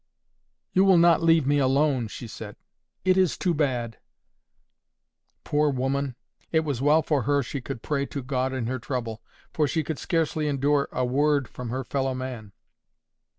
"You will not leave me alone," she said. "It is too bad." Poor woman! It was well for her she could pray to God in her trouble; for she could scarcely endure a word from her fellow man.